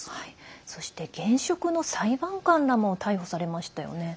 そして、現職の裁判官らも逮捕されましたよね。